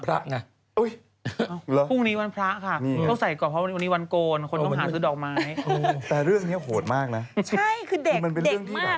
เรื่องนี้โหดมากนะคือมันเป็นเรื่องที่แบบใช่คือเด็กมากด้วยอ่ะอันนี้